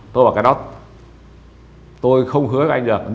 tôi bảo cái đó tôi không hứa với anh được